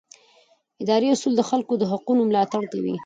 اداري اصول د خلکو د حقونو ملاتړ کوي.